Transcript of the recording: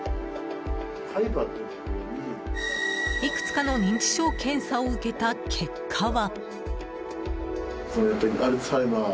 いくつかの認知症検査を受けた結果は。